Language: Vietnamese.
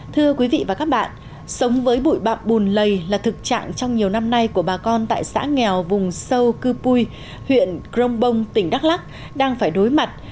thưa quý vị và các bạn sống với bụi bạm bùn lầy là thực trạng trong nhiều năm nay của bà con tại xã nghèo vùng sâu cư pui huyện crong bông tỉnh đắk lắc đang phải đối mặt